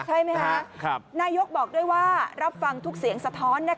ใช่ไหมคะนายกบอกด้วยว่ารับฟังทุกเสียงสะท้อน